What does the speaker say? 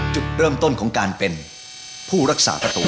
จุดเริ่มต้นของการเป็นผู้รักษาประตู